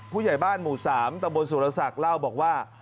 ผู้ใหญ่บ้านหมู่๓ตะบนสุรศักดิ์เล่าบอกว่า